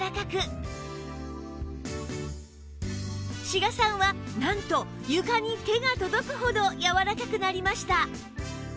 志賀さんはなんと床に手が届くほどやわらかくなりました